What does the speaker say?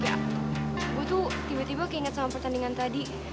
ya gue tuh tiba tiba keinget sama pertandingan tadi